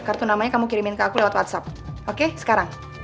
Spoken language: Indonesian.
kartu namanya kamu kirimin ke aku lewat whatsapp oke sekarang